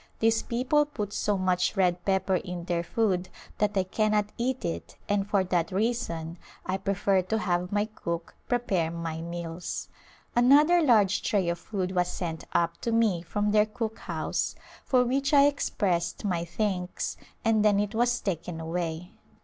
These people put so much red pepper in their food that I cannot eat it and for that reason I prefer to have my cook prepare my meals. Another large tray of food was sent up to me from their cook house, for which I expressed my thanks and then it was taken away.